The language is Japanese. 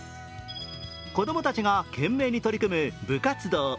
子供たちが懸命に取り組む部活動。